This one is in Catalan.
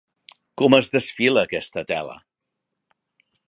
Com es desfila, aquesta tela!